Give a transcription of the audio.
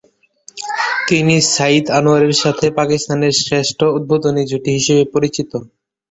তিনি সাঈদ আনোয়ারের সাথে পাকিস্তানের শ্রেষ্ঠ উদ্বোধনী জুটি হিসেবে পরিচিত।